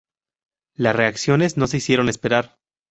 Las reacciones no se hicieron esperar.